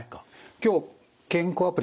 今日健康アプリ